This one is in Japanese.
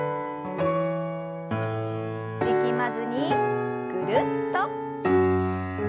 力まずにぐるっと。